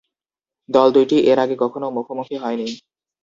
দল দুইটি এর আগে কখনও মুখোমুখি হয়নি।